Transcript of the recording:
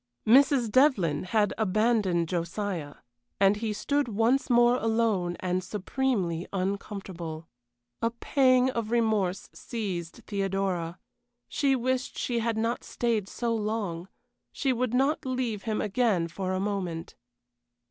Mrs. Devlyn had abandoned Josiah, and he stood once more alone and supremely uncomfortable. A pang of remorse seized Theodora; she wished she had not stayed so long; she would not leave him again for a moment.